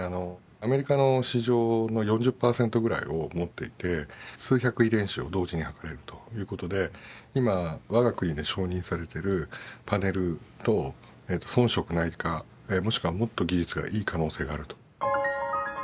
アメリカの市場の４０パーセントぐらいを持っていて数百遺伝子を同時に測れるということで今我が国で承認されているパネルと遜色ないかもしくはもっと技術がいい可能性があると。